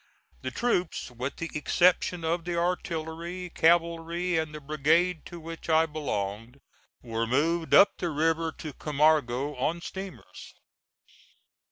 The troops, with the exception of the artillery, cavalry, and the brigade to which I belonged, were moved up the river to Camargo on steamers.